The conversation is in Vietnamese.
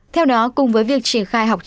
theo đó cùng với việc triển khai học sinh